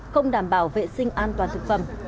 không đảm bảo vệ sinh an toàn thực phẩm